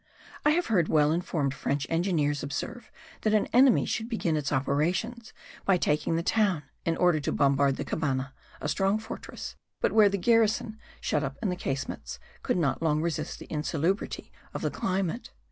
I have heard well informed French engineers observe that an enemy should begin his operations by taking the town, in order to bombard the Cabana, a strong fortress, but where the garrison, shut up in the casemates, could not long resist the insalubrity of the climate.